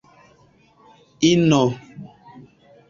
ino